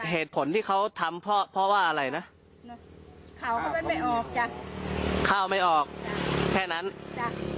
เหตุผลที่เขาทำเพราะเพราะว่าอะไรนะเขาก็มันไม่ออกจ้ะข้าวไม่ออกแค่นั้นจ้ะ